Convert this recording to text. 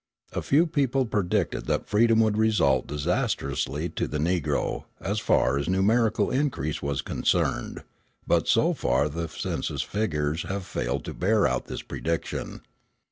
A few people predicted that freedom would result disastrously to the Negro, as far as numerical increase was concerned; but so far the census figures have failed to bear out this prediction.